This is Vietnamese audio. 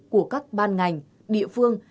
của các ban ngành địa phương